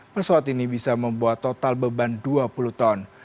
pesawat ini bisa membuat total beban dua puluh ton